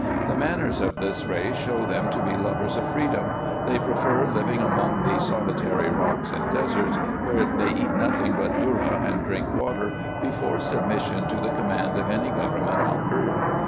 The manners of this race show them to be lovers of freedom : they prefer living among these solitary rocks and deserts, where they eat nothing but dhourra and drink water, before submission to the com mand of any government on earth.